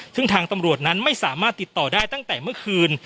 ซึ่งทางตำรวจนั้นไม่สามารถติดต่อได้ตั้งแต่เมื่อคืน